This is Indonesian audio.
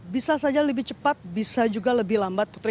bisa saja lebih cepat bisa juga lebih lambat putri